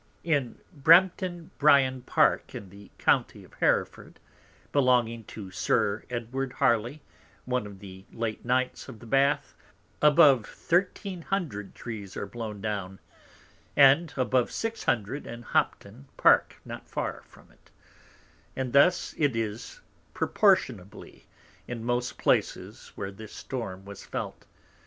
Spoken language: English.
In Bramton Bryan Park in the County of Hereford, belonging to Sir Edward Harly, one of the late Knights of the Bath, above thirteen hundred Trees are blown down; and above six hundred in Hopton Park not far from it: and thus it is proportionably in most Places where this Storm was felt.